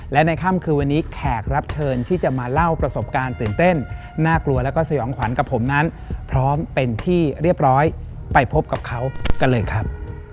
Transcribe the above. และในค่ำคืนวันนี้แขกรับเชิญที่จะมาเล่าประสบการณ์ตื่นเต้นน่ากลัวแล้วก็สยองขวัญกับผมนั้นพร้อมเป็นที่เรียบร้อยไปพบกับเขากันเลยครับ